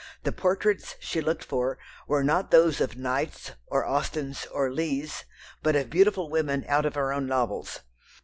The portraits she looked for were not those of Knights, or Austens, or Leighs, but of beautiful women out of her own novels.